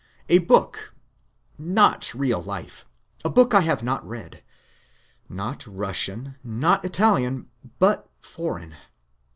A book, not real life. A book I have not read. Not Russian, not Italian, but foreign.